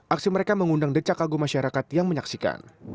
aksi mereka mengundang decak agung masyarakat yang menyaksikan